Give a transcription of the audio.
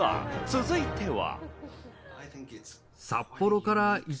続いては。